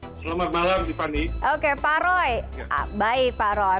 selamat malam tiffany